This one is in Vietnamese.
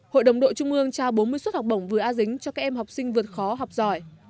hội đồng đội trung ương trao bốn mươi suất học bổng vừa a dính cho các em học sinh vượt khó học giỏi